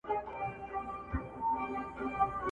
دا زمری چې کله پوه په دې داستان سو